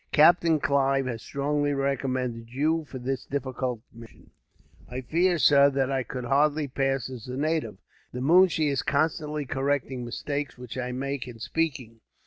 Captain Clive has strongly recommended you for this difficult mission." "I fear, sir, that I could hardly pass as a native. The moonshee is constantly correcting mistakes which I make, in speaking."